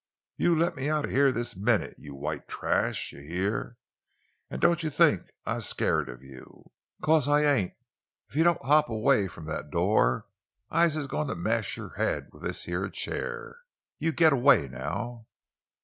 "You let me out of heah this minute, yo' white trash! Yo' heah! An' doan' you think I's scared of you, 'cause I ain't! If you doan' hop away from that do', I's goin' to mash yo' haid in wif this yere chair! You git away now!"